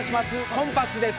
コンパスです。